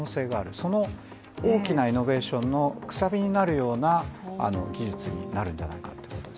その大きなイノベーションのくさびになるような技術になるんじゃないかということです。